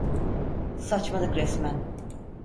Saçmalık resmen.